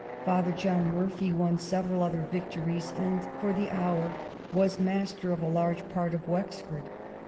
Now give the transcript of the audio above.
Father John Murphy won several other victories, and for the hour was master of a large part of Wexford.